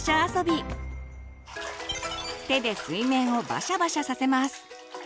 手で水面をバシャバシャさせます。